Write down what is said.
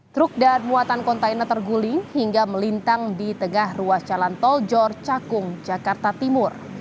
truk dan muatan kontainer terguling hingga melintang di tengah ruas jalan tol jor cakung jakarta timur